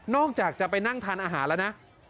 จากจะไปนั่งทานอาหารแล้วนะ